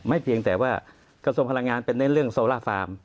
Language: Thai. เพียงแต่ว่ากระทรวงพลังงานเป็นเน้นเรื่องโซล่าฟาร์ม